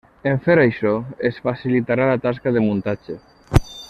En fer això es facilitarà la tasca de muntatge.